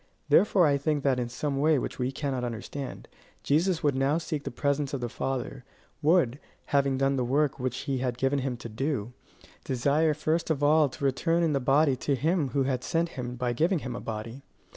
Therefore I think that in some way which we cannot understand, Jesus would now seek the presence of the Father; would, having done the work which he had given him to do, desire first of all to return in the body to him who had sent him by giving him a body.